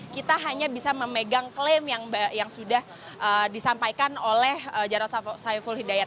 kita hanya bisa memegang klaim yang sudah disampaikan oleh jarod saiful hidayat